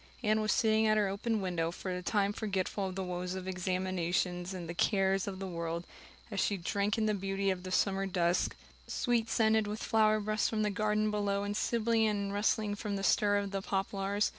Anne was sitting at her open window, for the time forgetful of the woes of examinations and the cares of the world, as she drank in the beauty of the summer dusk, sweet scented with flower breaths from the garden below and sibilant and rustling from the stir of poplars.